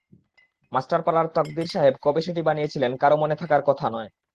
মাস্টারপাড়ার তকদির সাহেব কবে সেটি বানিয়েছিলেন, কারও মনে থাকার কথা নয়।